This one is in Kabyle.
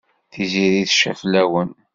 Tiziri tecfa fell-awen.